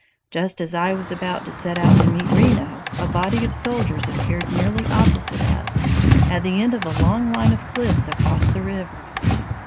Just as I was about to set out to meet Reno, a body of soldiers appeared nearly opposite us, at the edge of a long line of cliffs across the river.